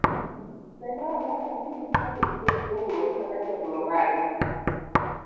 Bende olero ni gin giyango migosi Owuor kaka jagoro margi.